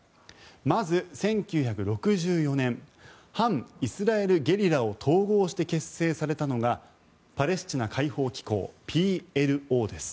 まず１９６４年反イスラエルゲリラを統合して結成されたのがパレスチナ解放機構・ＰＬＯ。